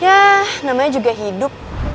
yah namanya juga hidup